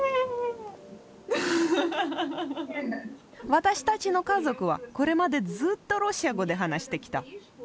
私たちの家族はこれまでずっとロシア語で話してきた。